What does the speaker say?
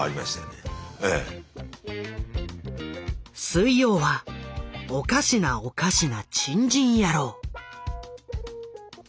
水曜は「おかしなおかしな珍人野郎」。